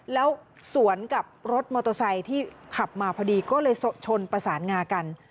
แล้วสวนกับรถมอเตอร์ไซค์ที่ขับมาพอดีก็เลยชนประสานงากัน